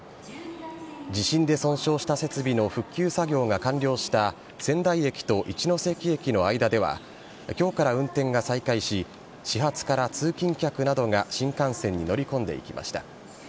地震で損傷した設備の復旧作業が完了した仙台駅と一ノ関駅の間ではきょうから運転が再開し、始発から通勤客などが新幹線に乗り込んでいきました。